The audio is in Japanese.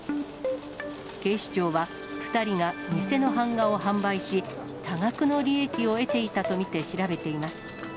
警視庁は、２人が偽の版画を販売し、多額の利益を得ていたと見て調べています。